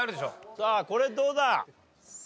さあこれどうだ？